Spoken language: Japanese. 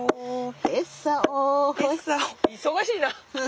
忙しいな！